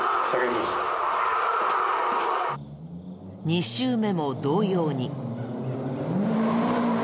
２周目も同様に。